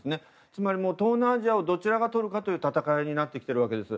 つまり東南アジアをどちらがとるかという戦いになってきているわけです。